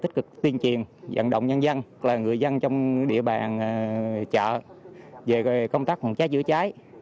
tích cực tuyên truyền dẫn động nhân dân là người dân trong địa bàn chợ về công tác phòng cháy chữa cháy